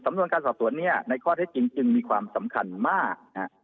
สำนวนการสอบส่วนเนี่ยในข้อเทศจริงมีความสำคัญมาก